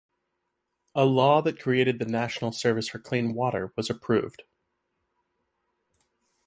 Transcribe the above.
A law that created the national service for clean water was approved.